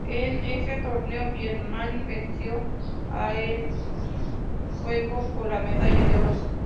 En ese torneo, Birmania venció a en el juego por la medalla de oro.